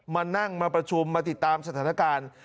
มานั่งมาประชุมมาติดตามสถานการณ์